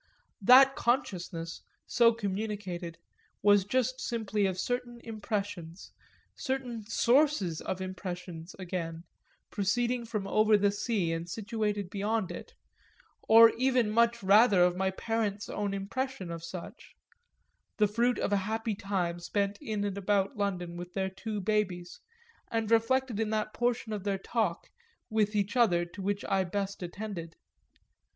That consciousness, so communicated, was just simply of certain impressions, certain sources of impression again, proceeding from over the sea and situated beyond it or even much rather of my parents' own impression of such, the fruit of a happy time spent in and about London with their two babies and reflected in that portion of their talk with each other to which I best attended.